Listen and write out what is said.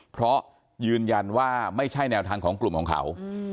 เพราะยืนยันว่าไม่ใช่แนวทางของกลุ่มของเขา